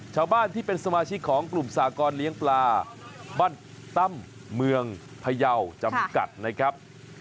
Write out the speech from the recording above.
ชาวบ้านที่เป็นสมาชิกของกลุ่มสากรเลี้ยงปลาบ้านตั้มเมืองพยาวจำกัดนะครับ